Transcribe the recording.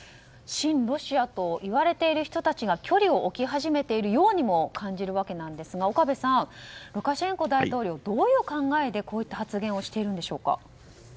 親ロシアと言われている人たちが距離を置き始めているようにも感じるわけなんですが岡部さん、ルカシェンコ大統領はどういう考えでこういう発言をしているんでしょうか。